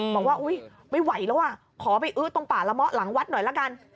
บอกว่าอุ๊ยไม่ไหวโลหะขอไปอื้อตรงป่าระมะหลังวัดหน่อยละกัน